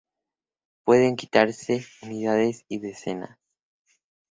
Pueden quitarse unidades y decenas.